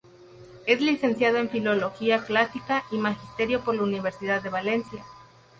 Es licenciado en Filología clásica y Magisterio por la Universidad de Valencia.